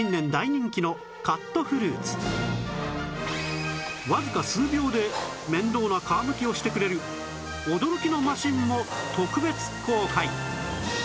さらにわずか数秒で面倒な皮むきをしてくれる驚きのマシンも特別公開